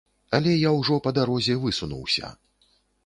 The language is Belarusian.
Але я ўжо па дарозе высунуўся.